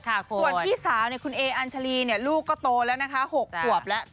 ส่วนพี่สาคุณเออัญชารีลูกก็โตแล้วนะคะ๖ตัวแล้ว